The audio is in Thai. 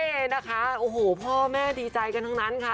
นี่นะคะโอ้โหพ่อแม่ดีใจกันทั้งนั้นค่ะ